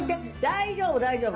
大丈夫大丈夫」